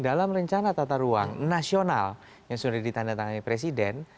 dalam rencana tata ruang nasional yang sudah ditandatangani presiden